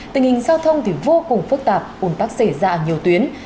tình hình giao thông thì vô cùng phức tạp ồn tắc xể dạ nhiều tuyến